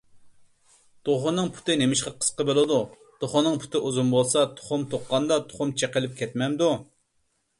_ توخۇنىڭ پۇتى نېمىشقا قىسقا بولىدۇ؟ _ توخۇنىڭ پۇتى ئۇزۇن بولسا، تۇخۇم تۇغقاندا تۇخۇم چېقىلىپ كەتمەمدۇ؟